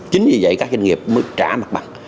chính vì vậy các doanh nghiệp mới trả mặt bằng